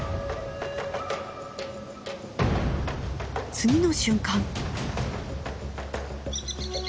次の瞬間。